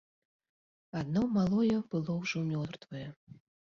Адно малое было ўжо мёртвае.